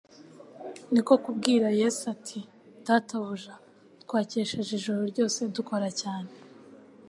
Niko kubwira Yesu ati: "Databuja, twakesheje ijoro ryose dukora cyane,